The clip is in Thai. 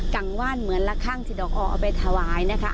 ังว่านเหมือนละข้างที่ดอกอ้อเอาไปถวายนะคะ